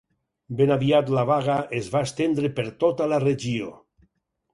Ben aviat la vaga es va estendre per tota la regió.